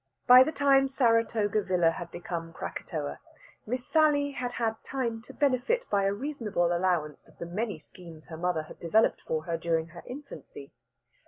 By the time Saratoga Villa had become Krakatoa, Miss Sally had had time to benefit by a reasonable allowance of the many schemes her mother had developed for her during her infancy.